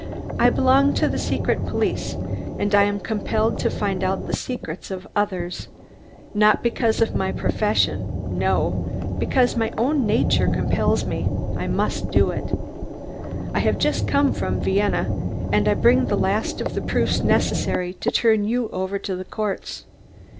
"I belong to the Secret Police and I am compelled to find out the secrets of others not because of my profession no, because my own nature compels me I must do it. I have just come from Vienna and I bring the last of the proofs necessary to turn you over to the courts.